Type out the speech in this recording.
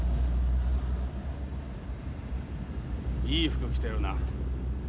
いい服着てるな。